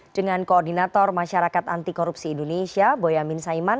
dengan koordinator masyarakat anti korupsi indonesia boyamin saiman